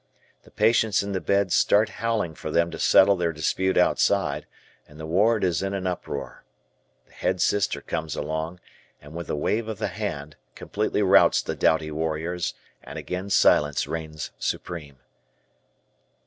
The patients in the beds start howling for them to settle their dispute outside and the ward is in an uproar. The head sister comes along and with a wave of the hand completely routs the doughty warriors and again silence reigns supreme.